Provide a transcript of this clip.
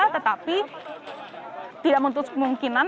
tetapi tidak menutup kemungkinan